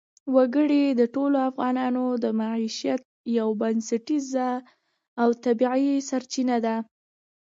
وګړي د ټولو افغانانو د معیشت یوه بنسټیزه او طبیعي سرچینه ده.